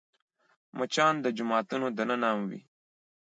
مچان د جوماتونو دننه هم وي